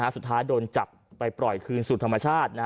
สุดท้ายโดนจับไปปล่อยคืนสู่ธรรมชาติ